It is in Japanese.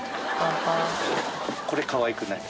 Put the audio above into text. これかわいくない？